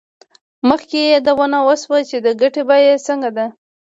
مخکې یادونه وشوه چې د ګټې بیه څنګه ده